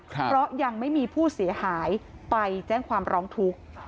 เพราะยังไม่มีผู้เสียหายไปแจ้งความร้องทุกข์